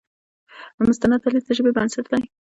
مستند دلیل د ژبې بنسټ دی.